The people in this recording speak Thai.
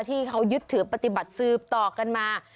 ที่เขายึดถือปฏิบัติสืบต่อกันมา